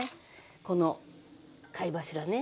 この貝柱ね。